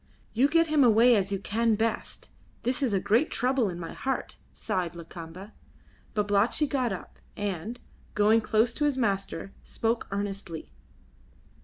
"You get him away as you can best. This is a great trouble in my heart," sighed Lakamba. Babalatchi got up, and, going close to his master, spoke earnestly.